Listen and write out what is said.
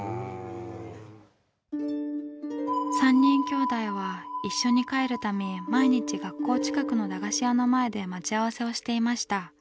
３人きょうだいは一緒に帰るため毎日学校近くの駄菓子屋の前で待ち合わせをしていました。